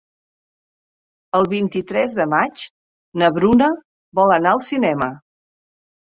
El vint-i-tres de maig na Bruna vol anar al cinema.